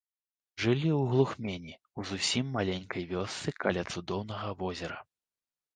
Жылі ў глухмені, у зусім маленькай вёсцы каля цудоўнага возера.